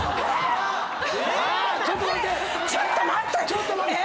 ちょっと待って！